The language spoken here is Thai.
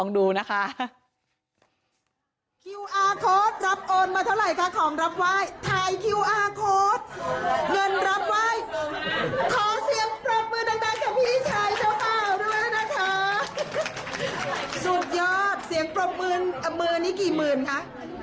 สุดยอดเสียงปรบมือนี้กี่หมื่นคะ